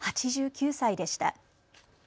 ８９歳でした。